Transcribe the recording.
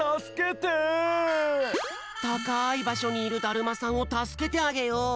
たかいばしょにいるだるまさんをたすけてあげよう！